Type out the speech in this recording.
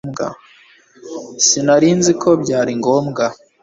Sinari nzi ko byari ngombwa